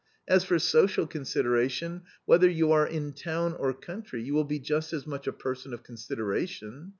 As for social consideration, whether you are in town or country, you will be just as much a person of consideration.